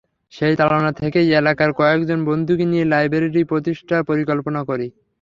সেই তাড়না থেকেই এলাকার কয়েকজন বন্ধুকে নিয়ে লাইব্রেরি প্রতিষ্ঠার পরিকল্পনা করি।